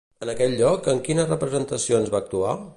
En aquell lloc, en quines representacions va actuar?